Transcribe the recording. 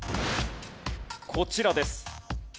こちらです。